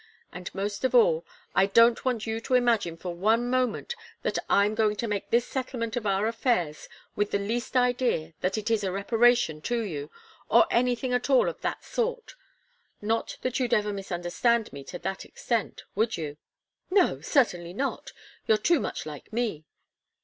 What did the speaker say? And most of all I don't want you to imagine for one moment that I'm going to make this settlement of our affairs with the least idea that it is a reparation to you, or anything at all of that sort. Not that you'd ever misunderstand me to that extent. Would you?" "No. Certainly not. You're too much like me."